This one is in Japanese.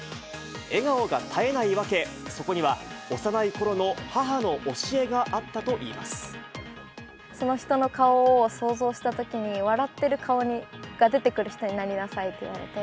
笑顔が絶えないわけ、そこには、幼いころの母の教えがあったといその人の顔を想像したときに、笑ってる顔が出てくる人になりなさいと言われて。